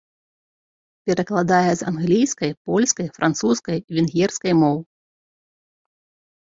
Перакладае з англійскай, польскай, французскай, венгерскай моў.